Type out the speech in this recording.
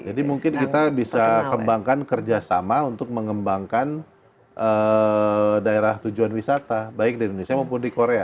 jadi mungkin kita bisa kembangkan kerjasama untuk mengembangkan daerah tujuan wisata baik di indonesia maupun di korea